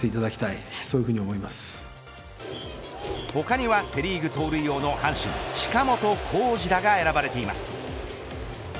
他にはセ・リーグ盗塁王の阪神、近本光司らが選ばれています。